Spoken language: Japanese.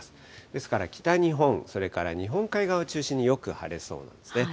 ですから北日本、それから日本海側を中心によく晴れそうですね。